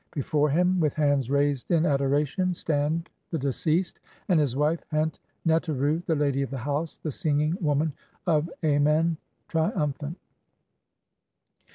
Before him, with hands raised in adoration, stand the deceased and "his wife Hent neteru, the lady of the house, the singing woman of Amen, triumphant".